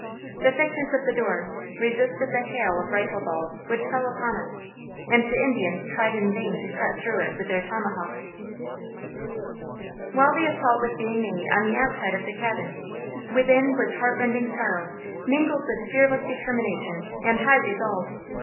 The thickness of the door resisted the hail of rifle balls which fell upon it, and the Indians tried in vain to cut through it with their tomahawks. While the assault was being made on the outside of the cabin, within was heart rending sorrow mingled with fearless determination and high resolve.